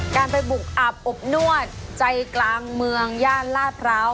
การไปบุกอาบอบนวดใจกลางเมืองย่านลาดพร้าว